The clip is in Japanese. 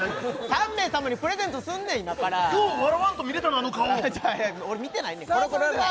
３名様にプレゼントすんねん今からよう笑わんと見れたなあの顔俺見てないねんコロコロ占いさあ